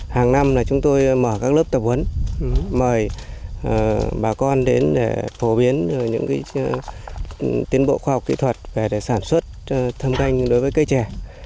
hàng năm là chúng tôi mở các lớp tập huấn mời bà con đến để phổ biến những tiến bộ khoa học kỹ thuật về để sản xuất thâm canh đối với cây trẻ